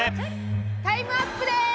タイムアップです！